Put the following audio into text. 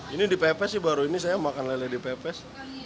ini dipepes sih baru ini saya makan lele dipepes